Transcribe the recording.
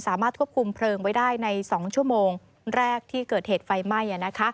สามารถควบคุมเพลิงไว้ได้ใน๒ชั่วโมงแรกที่เกิดเหตุไฟไหม้